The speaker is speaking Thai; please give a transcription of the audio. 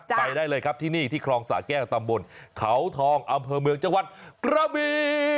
ไปได้เลยครับที่นี่ที่คลองสาแก้วตำบลเขาทองอำเภอเมืองจังหวัดกระบี